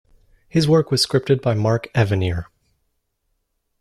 His work was scripted by Mark Evanier.